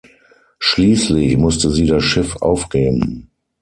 Schließlich musste sie das Schiff aufgeben.